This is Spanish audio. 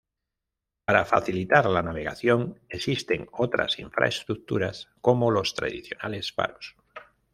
Para facilitar la navegación existen otras infraestructuras, como los tradicionales faros.